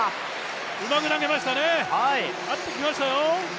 うまく投げましたね、合ってきましたよ。